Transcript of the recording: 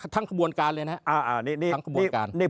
ท่างกระบวนการเลยนะครับ